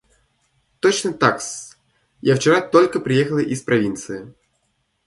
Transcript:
– Точно так-с: я вчера только приехала из провинции.